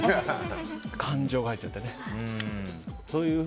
感情が入っちゃってね。